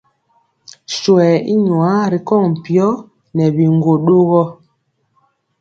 Swɛɛ i nwaa ri kɔŋ mpiyɔ nɛ biŋgwo ɗogɔ.